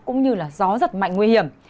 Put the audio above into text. cũng như là gió rất mạnh nguy hiểm